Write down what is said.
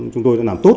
chúng tôi đã làm tốt